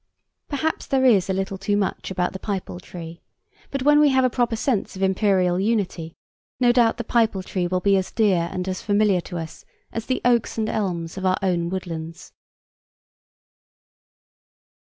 Perhaps there is a little too much about the pipal tree, but when we have a proper sense of Imperial unity, no doubt the pipal tree will be as dear and as familiar to us as the oaks and elms of our own woodlands.